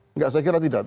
enggak saya kira tidak